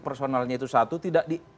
personalnya itu satu tidak